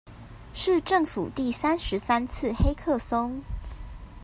是政府第三十三次黑客松